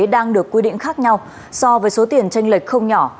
đang được quy định khác nhau so với số tiền tranh lệch không nhỏ